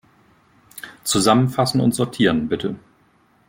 Zusammenfassen und sortieren, bitte.